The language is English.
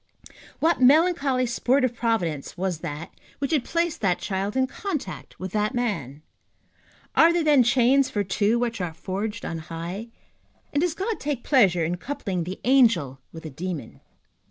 What melancholy sport of Providence was that which had placed that child in contact with that man? Are there then chains for two which are forged on high? and does God take pleasure in coupling the angel with the demon?